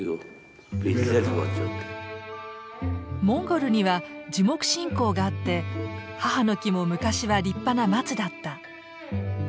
モンゴルには樹木信仰があって母の木も昔は立派な松だった。